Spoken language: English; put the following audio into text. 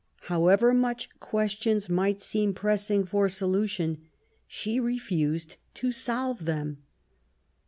However much questions might seem pressing for solution, she refused to solve them.